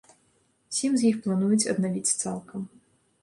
Сем з іх плануюць аднавіць цалкам.